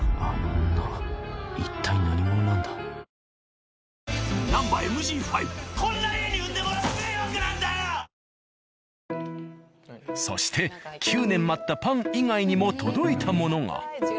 うわ何かもうそして９年待ったパン以外にも届いたものが。